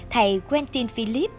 thầy quentin philip